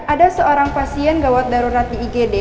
ada seorang pasien gawat darurat di igd